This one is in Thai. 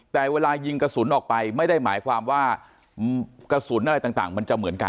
แต่เวลายิงกระสุนออกไปไม่ได้หมายความว่ากระสุนอะไรต่างมันจะเหมือนกัน